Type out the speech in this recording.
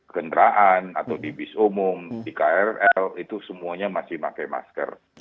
kendaraan atau di bis umum di krl itu semuanya masih pakai masker